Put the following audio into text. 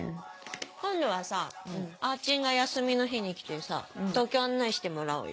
今度はさあーちんが休みの日に来てさ東京案内してもらおうよ。